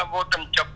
vô tình chụp